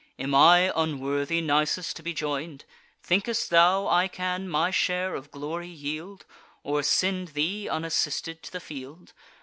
Am I unworthy, Nisus, to be join'd? Think'st thou I can my share of glory yield, Or send thee unassisted to the field?